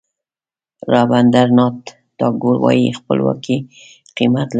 رابندراناټ ټاګور وایي خپلواکي قیمت لري.